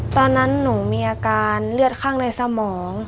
ตอนนั้นหนูมีอาการเลือดข้างในสมอง